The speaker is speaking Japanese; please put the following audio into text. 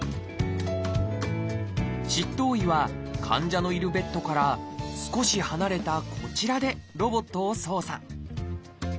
執刀医は患者のいるベッドから少し離れたこちらでロボットを操作。